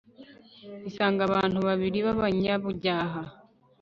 isanga abantu babiri b'abanyabyaha